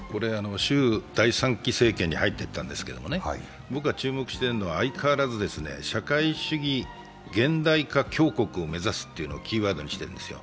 習第３期政権に入っていったんですけどね、僕が注目しているのは、相変わらず社会主義現代化強国を目指すというのをキーワードにしているんですよ。